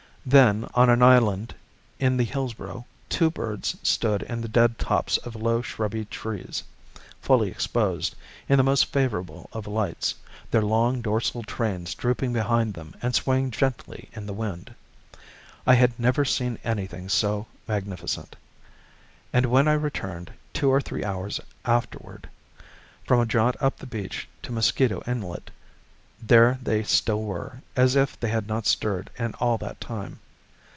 Then, on an island in the Hillsborough, two birds stood in the dead tops of low shrubby trees, fully exposed in the most favorable of lights, their long dorsal trains drooping behind them and swaying gently in the wind. I had never seen anything so magnificent. And when I returned, two or three hours afterward, from a jaunt up the beach to Mosquito Inlet, there they still were, as if they had not stirred in all that time.